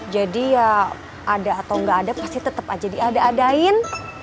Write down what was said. jadi ya ada atau nggak ada pasti tetep aja diada adain